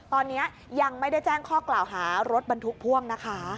ตอนนี้ยังไม่ได้แจ้งข้อกล่าวหารถบรรทุกพ่วงนะคะ